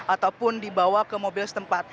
ataupun dibawa ke mobil setempat